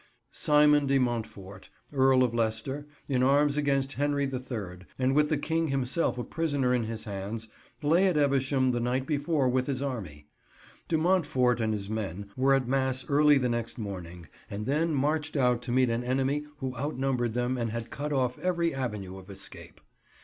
Simon de Montfort, Earl of Leicester, in arms against Henry the Third, and with the King himself a prisoner in his hands, lay at Evesham the night before with his army. De Montfort and his men were at mass early the next morning and then marched out to meet an enemy who outnumbered them and had cut off every avenue of escape.